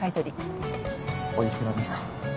おいくらですか？